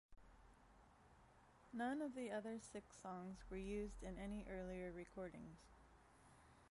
None of the other six songs were used in any earlier recordings.